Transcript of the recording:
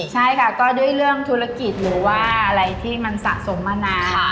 ใช่ค่ะก็ด้วยเรื่องธุรกิจหรือว่าอะไรที่มันสะสมมานาน